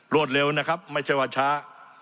เร็วนะครับไม่ใช่ว่าช้า